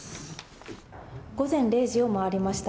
午前０時を回りました。